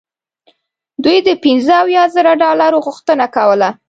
دوی د پنځه اویا زره ډالرو غوښتنه کوله.